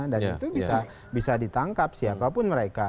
dan itu bisa ditangkap siapapun mereka